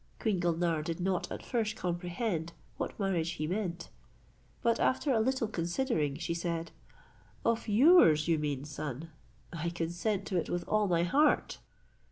Queen Gulnare did not at first comprehend what marriage he meant; but after a little considering, she said, "Of yours, you mean, son. I consent to it with all my heart."